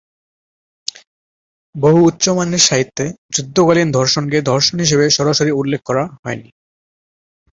বহু উচ্চমানের সাহিত্যে, যুদ্ধকালীন ধর্ষণকে ধর্ষণ হিসেবে সরাসরি উল্লেখ করা হয়নি।